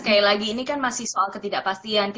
sekali lagi ini kan masih soal ketidakpastian